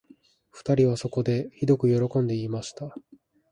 二人はそこで、ひどくよろこんで言いました